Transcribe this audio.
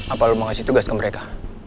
apa lo mau ngasih tugas ke mereka